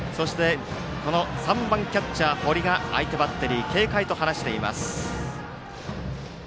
３番キャッチャー堀が相手バッテリー警戒と話しています。